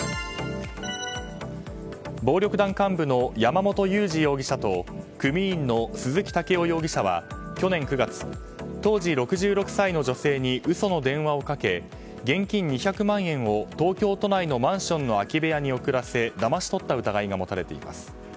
暴力団幹部の山本裕二容疑者と組員の鈴木健男容疑者は去年９月当時６６歳の女性に嘘の電話をかけ現金２００万円を、東京都内のマンションの空き部屋に送らせだまし取った疑いが持たれています。